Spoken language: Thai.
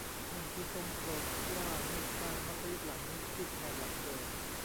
นั่นคือ ทรงโปรดเกล้าให้สร้างมัสยิดหลังนี้ขึ้นแทนหลังเดิม